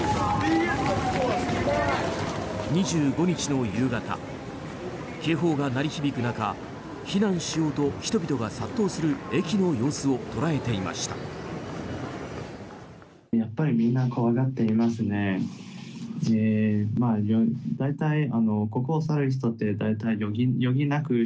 ２５日の夕方警報が鳴り響く中避難しようと人々が殺到する駅の様子を捉えていました。